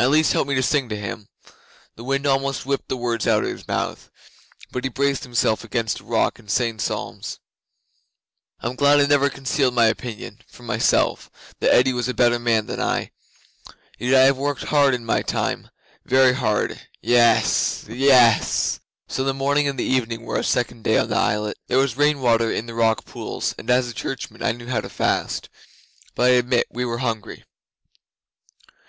"At least help me to sing to Him." The wind almost whipped the words out of his mouth, but he braced himself against a rock and sang psalms. 'I'm glad I never concealed my opinion from myself that Eddi was a better man than I. Yet I have worked hard in my time very hard! Yes yess! So the morning and the evening were our second day on that islet. There was rain water in the rock pools, and, as a churchman, I knew how to fast, but I admit we were hungry.